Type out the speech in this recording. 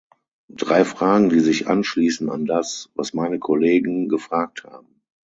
Drei Fragen, die sich anschließen an das, was meine Kollegen gefragt haben.